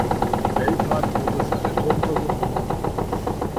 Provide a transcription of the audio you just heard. In Belgrad wurde seine Tochter geboren.